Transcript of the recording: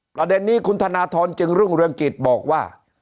ประเด็นนี้คุณธนทรจึงรุ่งเรืองกิจบอกว่า